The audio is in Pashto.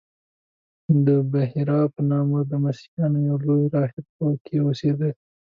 د بحیرا په نامه د مسیحیانو یو لوی راهب په کې اوسېده.